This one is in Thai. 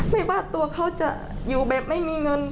ไม่ว่าตัวเขาจะอยู่แบบไม่มีเงิน